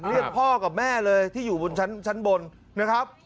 เรียกพ่อกับแม่เลยที่อยู่บนชั้นบนนะครับ